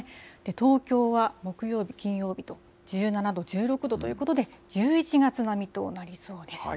東京は木曜日、金曜日と、１７度、１６度ということで、１１月並みとなりそうです。